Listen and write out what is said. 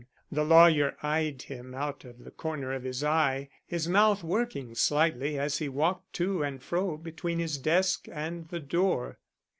The lawyer eyed him out of the corner of his eye, his mouth working slightly as he walked to and fro between his desk and the door.